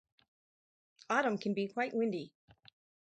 Autumn can be quite windy.